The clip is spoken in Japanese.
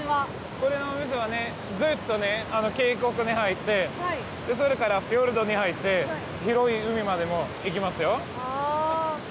この水はねずっとね渓谷に入ってそれからフィヨルドに入って広い海までも行きますよ。